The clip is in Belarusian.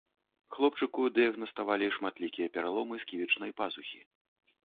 Хлопчыку дыягнаставалі шматлікія пераломы сківічнай пазухі.